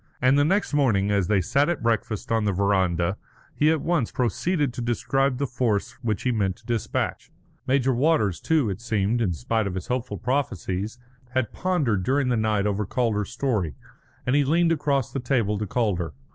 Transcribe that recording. And the next morning, as they sat at breakfast on the verandah, he at once proceeded to describe the force which he meant to despatch. Major Walters, too, it seemed, in spite of his hopeful prophecies, had pondered during the night over Calder's story, and he leaned across the table to Calder.